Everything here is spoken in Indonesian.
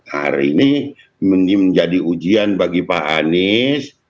hari ini menjadi ujian bagi pak anies